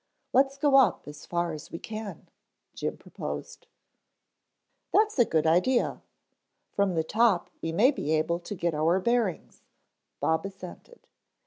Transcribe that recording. "Let's go up as far as we can," Jim proposed. "That's a good idea. From the top we may be able to get our bearings," Bob assented.